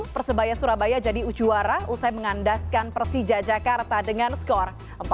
persebaya surabaya jadi ujuara usai mengandaskan persija jakarta dengan skor empat satu